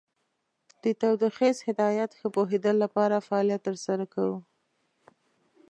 د تودوخیز هدایت ښه پوهیدلو لپاره فعالیت تر سره کوو.